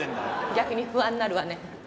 逆に不安になるわね。